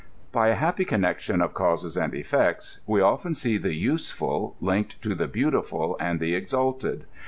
By a bap py connection of causes and efiectSr we often s^ tbe useful link ed to tbe beautiful and tbe exalted.